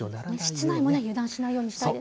室内も油断しないようにしたいですね。